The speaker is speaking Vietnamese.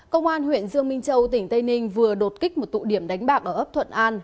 công an huyện dương minh châu tỉnh tây ninh vừa đột kích một tụ điểm đánh bạc ở ấp thuận an